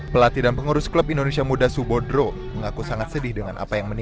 pelatih dan pengurus klub indonesia muda subodro mengaku sangat sedih dengan apa yang terjadi